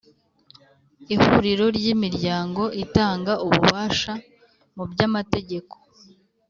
ihuriro ry imiryango itanga ubufasha mu by amategeko